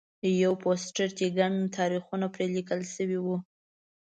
یو پوسټر چې ګڼ تاریخونه پرې لیکل شوي وو.